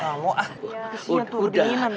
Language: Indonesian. kesini tuh diinginan tuh